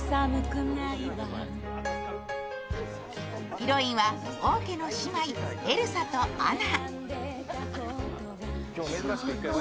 ヒロインは王家の姉妹、エルサとアナ。